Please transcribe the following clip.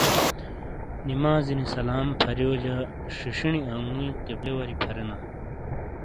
نمازِینی سلام پھارِیو جہ شِیشینی انگُوئی قبلے واری پھَرینا۔